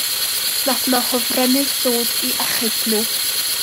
Nath 'na hofrennydd ddod i achub nhw.